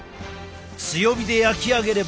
強火で焼き上げれ